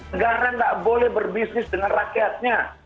negara tidak boleh berbisnis dengan rakyatnya